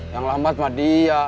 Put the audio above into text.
yang lambat mah dia